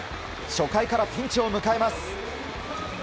初回からピンチを迎えます。